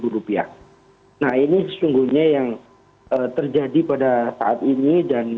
nah ini sesungguhnya yang terjadi pada saat ini